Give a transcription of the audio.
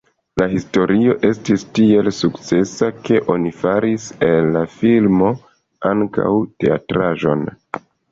La historio estis tiel sukcesa, ke oni faris el la filmo ankaŭ teatraĵon.